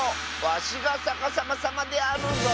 わしがさかさまさまであるぞ。